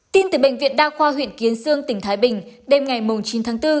tin từ bệnh viện đa khoa huyện kiến sương tỉnh thái bình đêm ngày chín tháng bốn